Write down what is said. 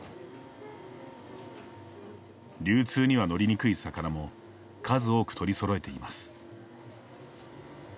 流通には乗りにくい魚も数多く取りそろえています。